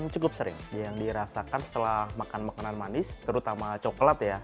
cukup sering yang dirasakan setelah makan makanan manis terutama coklat ya